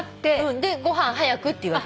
で「ご飯早く」って言うわけ。